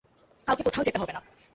কাউকে কোথাও যেতে হবে না।